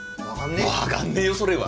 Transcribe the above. わかんねぇよそれは！